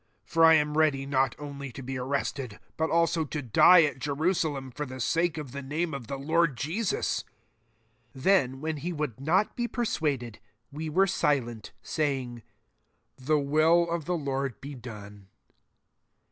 for 1 am ready not only to be bound, but also to die, at Jeru salem, for the name of the Lord Jesus." 14 And as he would not be persuaded, we ceased; saying, *< The will of the Lord be done.'